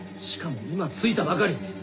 しかも今着いたばかり。